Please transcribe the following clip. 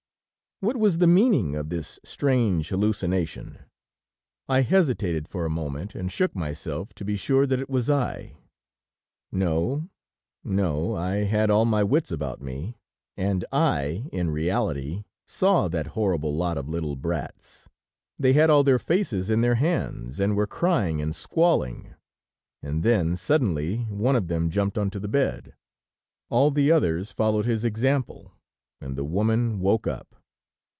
What was the meaning of this strange hallucination? I hesitated for a moment, and shook myself to be sure that it was I. No, no, I had all my wits about me, and I in reality saw that horrible lot of little brats; they all had their faces in their hands, and were crying and squalling, and then suddenly one of them jumped onto the bed; all the others followed his example, and the woman woke up.